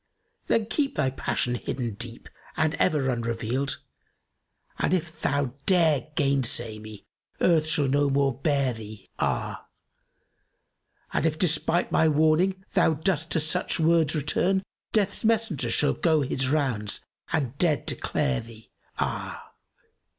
Then keep thy passion hidden deep and ever unrevealed, * And if thou dare gainsay me Earth shall no more bear thee, ah! And if, despite my warning, thou dost to such words return, * Death's Messenger[FN#275] shall go his rounds and dead declare thee, ah!